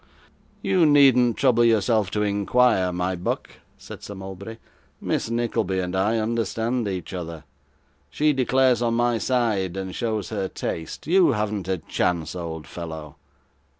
'You needn't trouble yourself to inquire, my buck,' said Sir Mulberry; 'Miss Nickleby and I understand each other; she declares on my side, and shows her taste. You haven't a chance, old fellow.